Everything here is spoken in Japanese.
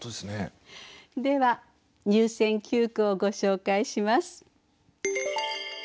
では入選九句をご紹介します。